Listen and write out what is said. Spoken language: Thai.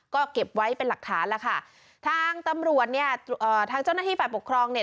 ก็เก็บไว้เป็นหลักฐานแล้วค่ะทางตำรวจเนี่ยเอ่อทางเจ้าหน้าที่ฝ่ายปกครองเนี่ย